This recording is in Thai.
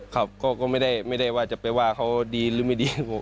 ครับก็ไม่ได้ว่าจะไปว่าเขาดีหรือไม่ดีครับผม